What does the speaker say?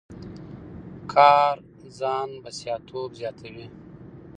کار ځان بسیا توب زیاتوي.